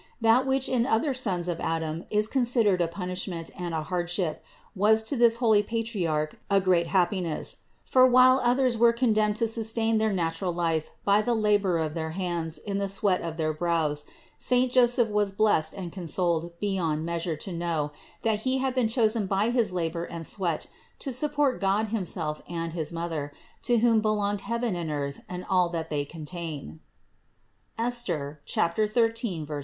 That which in other sons of Adam is con sidered a punishment and a hardship was to this holy Patriarch a great happiness. For while others were con demned to sustain their natural life by the labor of their hands in the sweat of their brows, saint Joseph was blessed and consoled beyond measure to know, that he had been chosen by his labor and sweat to support God himself and his Mother, to whom belonged heaven and earth and all that they contain (Esther 13, 10). 709.